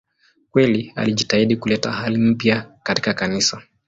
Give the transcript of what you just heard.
Kweli alijitahidi kuleta hali mpya katika Kanisa.